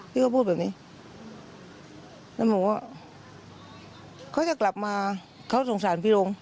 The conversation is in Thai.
พี่ก็พูดแบบนี้แล้วบอกว่าเขาจะกลับมาเขาสงสารพี่ลง